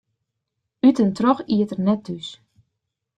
Ut en troch iet er net thús.